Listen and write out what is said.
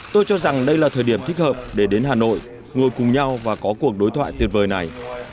tôi cho rằng đây là thời điểm thích hợp để đến hà nội ngồi cùng nhau và có cuộc đối thoại tuyệt vời này